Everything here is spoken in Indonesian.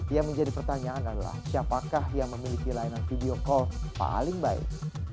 yang menjadi pertanyaan adalah siapakah yang memiliki layanan video call paling baik